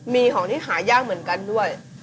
มีของที่หายากเหมือนกันด้วย